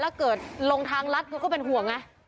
แล้วเกิดลงทางรัฐเขาก็เป็นห่วงไง